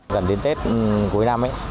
gần đến tết cuối năm ấy